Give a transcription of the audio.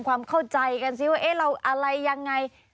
ความเข้าใจกันสิว่าเราอะไรยังไง